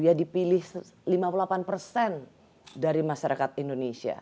dia dipilih lima puluh delapan persen dari masyarakat indonesia